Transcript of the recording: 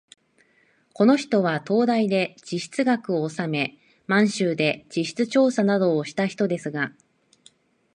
この人は東大で地質学をおさめ、満州で地質調査などをした人ですが、